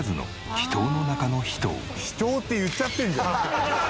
「秘湯って言っちゃってんじゃん」